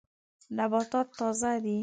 نباتات تازه دي.